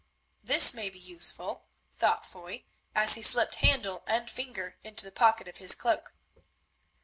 "This may be useful," thought Foy, as he slipped handle and finger into the pocket of his cloak.